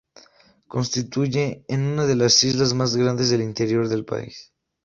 Constituye es una de las islas más grandes del interior del país.